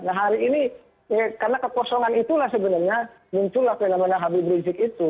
nah hari ini karena kekosongan itulah sebenarnya muncullah pengennya abib rizie itu